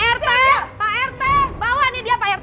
sylvia sylvia pak rt pak rt bawa nih dia pak rt